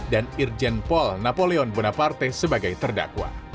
dan irjen pol napoleon bonaparte sebagai terdakwa